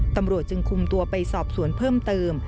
ตำรวจจึงคุมตัวไปสอบสวนเพิ่มเติม